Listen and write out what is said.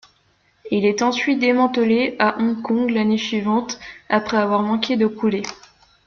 Il est ensuite démantelé à Hong Kong l'année suivante, après avoir manqué de couler.